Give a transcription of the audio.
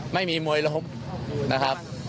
ไม่มีมวยล้มนะครับ